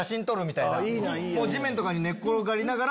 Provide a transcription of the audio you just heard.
地面とかに寝転がりながら。